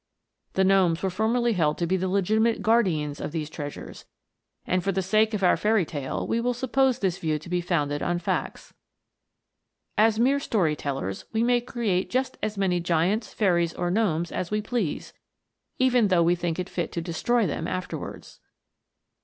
The gnomes were for merly held to be the legitimate guardians of these treasures; and for the sake of our fairy tale, we will suppose this view to be founded on facts. As mere story tellers, we may create just as many giants, fairies, or gnomes as we please, even though we think fit to destroy them afterwards.